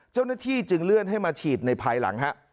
เจ้าหน้าที่จึงเลื่อนให้มาฉีดในภายหลังฮะ